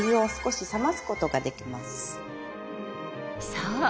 そう。